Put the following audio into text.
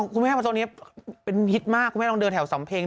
คุณแม่ว่าตอนนี้เป็นฮิตมากคุณแม่ลองเดินแถวสำเพ็ง